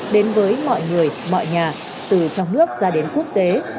đến với mọi người mọi nhà từ trong nước ra đến quốc tế